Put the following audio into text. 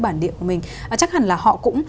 bản địa của mình chắc hẳn là họ cũng